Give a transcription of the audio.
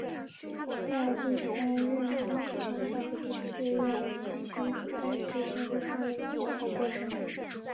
在第三任藩主纲教和第四任藩主赖织先后上任不久而过身。